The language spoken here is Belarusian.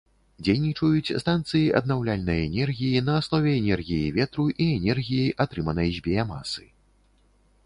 Дзейнічаюць станцыі аднаўляльнай энергіі на аснове энергіі ветру і энергіі, атрыманай з біямасы.